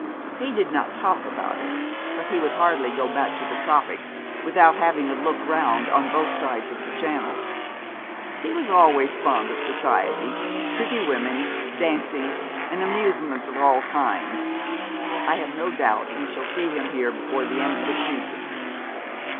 'He did not talk about it; but he would hardly go back to the tropics without having a look round on both sides of the Channel. He was always fond of society, pretty women, dancing, and amusements of all kinds. I have no doubt we shall see him here before the end of the season.'